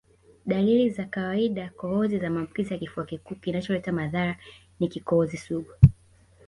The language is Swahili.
Dalili za kawaidaKohozi za maambukizi ya kifua kikuu kinacholeta madhara ni kikohozi sugu